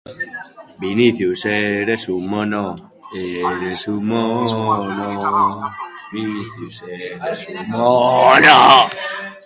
Pozik gaude, hau delako gainik onena.